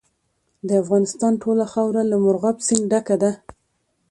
د افغانستان ټوله خاوره له مورغاب سیند ډکه ده.